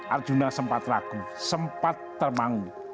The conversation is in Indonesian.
arjuna sempat ragu sempat termanggu